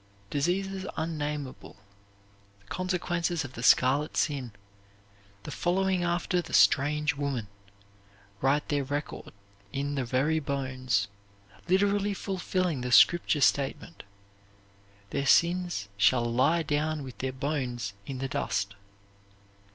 Diseases unnameable, the consequences of the Scarlet Sin, the following after the "strange woman," write their record in the very bones, literally fulfilling the Scripture statement "Their sins shall lie down with their bones in the dust."